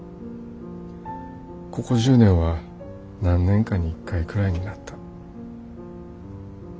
ここ１０年は何年かに１回くらいになった。